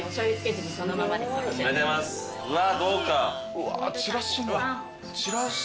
うわちらし。